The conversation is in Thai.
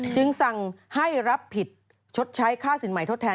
จึงสั่งให้รับผิดชดใช้ค่าสินใหม่ทดแทน